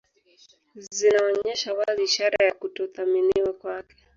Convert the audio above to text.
Zinaonyesha wazi ishara ya kutothaminiwa kwake